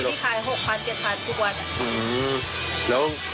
มันจะได้ขาย๖๐๐๐๗๐๐๐บาททุกวัน